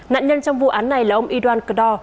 nạn nhân trong vụ án này là ông y doan cờ đo